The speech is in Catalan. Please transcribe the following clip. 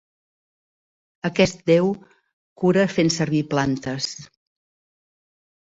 Aquest déu cura fent servir plantes.